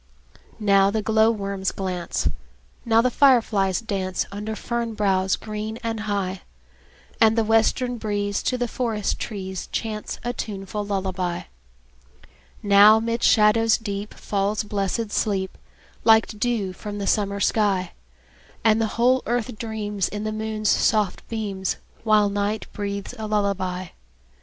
Now the glowworms glance, Now the fireflies dance, Under fern boughs green and high; And the western breeze To the forest trees Chants a tuneful lullaby. Now 'mid shadows deep Falls blessed sleep, Like dew from the summer sky; And the whole earth dreams, In the moon's soft beams, While night breathes a lullaby.